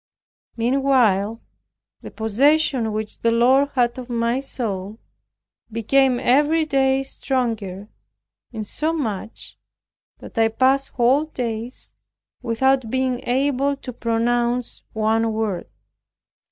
Meanwhile, the possession which the Lord had of my soul became every day stronger, insomuch that I passed whole days without being able to pronounce one word.